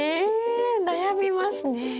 え悩みますね。